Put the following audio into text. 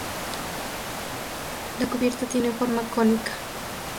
La cubierta tiene forma cónica.